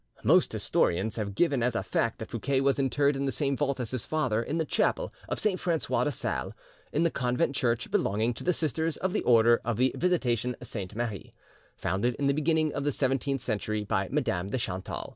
Most historians have given as a fact that Fouquet was interred in the same vault as his father in the chapel of Saint Francois de Sales in the convent church belonging to the Sisters of the Order of the Visitation Sainte Marie, founded in the beginning of the seventeenth century by Madame de Chantal.